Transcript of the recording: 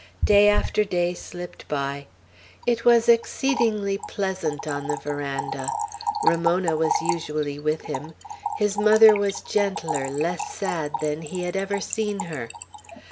Day after day slipped by. It was exceedingly pleasant on the veranda. Ramona was usually with him; his mother was gentler, less sad, than he had ever seen her.